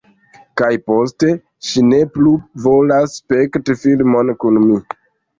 Kaj poste, ŝi ne plu volas spekti filmojn kun mi.